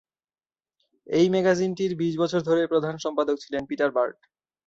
এই ম্যাগাজিনটির বিশ বছর ধরে প্রধান সম্পাদক ছিলেন পিটার বার্ট।